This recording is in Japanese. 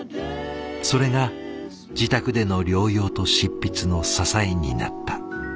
それが自宅での療養と執筆の支えになった。